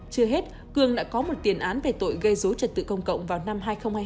chưa hết cương đã có một tiền án về tội gây dối trật tự công cộng vào năm hai nghìn hai mươi hai